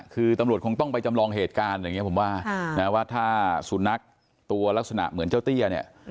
คือตำรวจคงต้องไปจำลองเหตุการณ์ว่าถ้าสุนัขตัวลักษณะเหมือนเจ้าเตี้ย